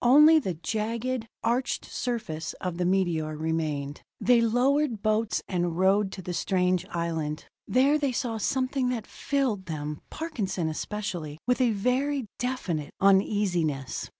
Only the jagged, arched surface of the meteor remained. They lowered boats and rowed to the strange island. There they saw something that filled them Parkinson especially with a very definite uneasiness.